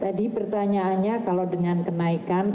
tadi pertanyaannya kalau dengan kenaikan